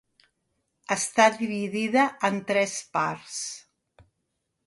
Està dividida en tres parts.